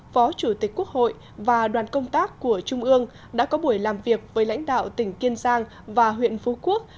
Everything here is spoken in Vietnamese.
phó chủ tịch quốc hội và đoàn công tác của trung ương đã có buổi làm việc với lãnh đạo tỉnh kiên giang và huyện phú quốc